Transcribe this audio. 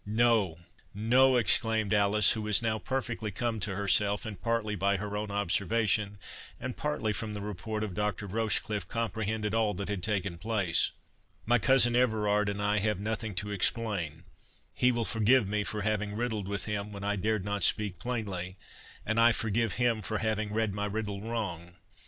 "No—no!" exclaimed Alice, who was now perfectly come to herself, and partly by her own observation, and partly from the report of Dr. Rochecliffe, comprehended all that had taken place—"My cousin Everard and I have nothing to explain; he will forgive me for having riddled with him when I dared not speak plainly; and I forgive him for having read my riddle wrong.